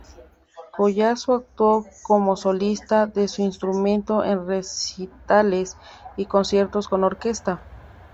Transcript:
Collazo actuó como solista de su instrumento en recitales y conciertos con orquesta.